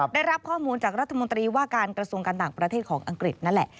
ได้รับข้อมูลจากรัฐมนตรีว่าการกระทรวงการต่างประเทศของอังกฤษนั่นแหละ